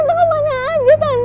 ya allah tante tante kemana